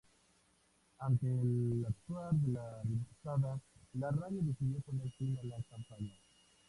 Ante el actuar de la diputada, la radio decidió poner fin a la campaña.